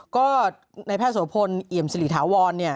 ก็ในแพทย์โสพลอิยมสิริถาวรเนี่ย